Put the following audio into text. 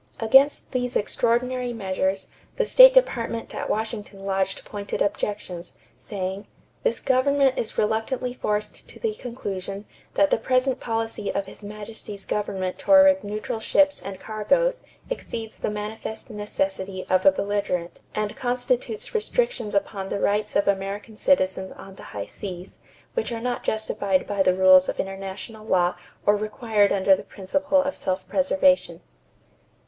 Against these extraordinary measures, the State Department at Washington lodged pointed objections, saying: "This government is reluctantly forced to the conclusion that the present policy of His Majesty's government toward neutral ships and cargoes exceeds the manifest necessity of a belligerent and constitutes restrictions upon the rights of American citizens on the high seas, which are not justified by the rules of international law or required under the principle of self preservation."